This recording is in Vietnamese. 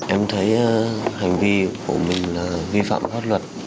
em thấy hành vi của mình là vi phạm pháp luật